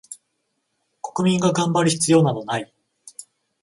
国民が頑張る必要などない